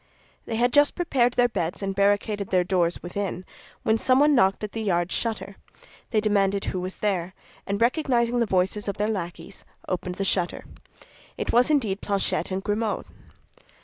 They had just prepared their beds and barricaded their door within, when someone knocked at the yard shutter; they demanded who was there, and recognizing the voices of their lackeys, opened the shutter. It was indeed Planchet and Grimaud.